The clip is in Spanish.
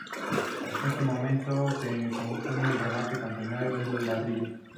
En este momento se concluye el remate del campanario en ladrillo.